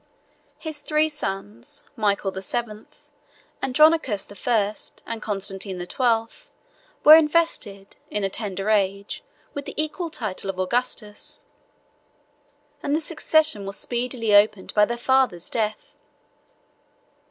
His three sons, Michael the Seventh, Andronicus the First, and Constantine the Twelfth, were invested, in a tender age, with the equal title of Augustus; and the succession was speedily opened by their father's death.